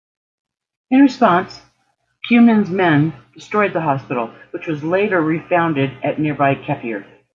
In response Cumin's men destroyed the hospital, which was later refounded at nearby Kepier.